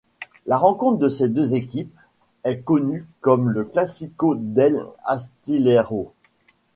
La rencontre de ces deux équipes, est connu comme le Clásico del Astillero.